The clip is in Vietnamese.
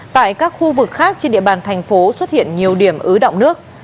tại các khu vực khác trên địa bàn thành phố xuất hiện nhiều điểm ứ động nước